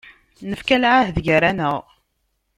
Nefka lɛahed gar-aneɣ.